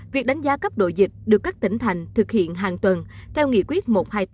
việc đánh giá cấp độ dịch được các tỉnh thành thực hiện hàng tuần theo nghị quyết một trăm hai mươi tám